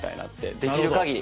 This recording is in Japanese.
できる限り。